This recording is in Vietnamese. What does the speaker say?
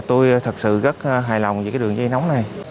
tôi thật sự rất hài lòng về cái đường dây nóng này